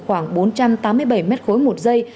khoảng bốn trăm tám mươi bảy m ba một giây